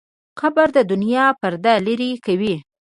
قبر د دنیا پرده لرې کوي.